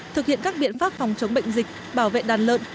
thực hiện các biện pháp phòng chống bệnh dịch bảo vệ đàn lợn